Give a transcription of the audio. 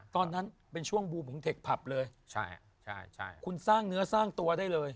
ตอนนั้นเป็นช่วงบูมของเทคผับเลยใช่ใช่คุณสร้างเนื้อสร้างตัวได้เลย